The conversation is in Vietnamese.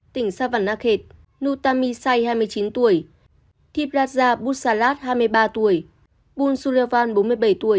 phong vy hàn akhet nutami sai hai mươi chín tuổi thib raja bhutsalat hai mươi ba tuổi bun sulevan bốn mươi bảy tuổi